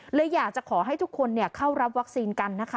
เลยอยากจะขอให้ทุกคนเข้ารับวัคซีนกันนะคะ